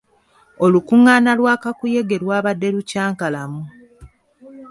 Olukungaana lwa kakuyege lwabadde lukyankalamu.